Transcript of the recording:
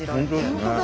本当だ。